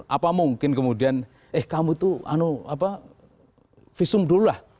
apa mungkin kemudian eh kamu tuh visum dulu lah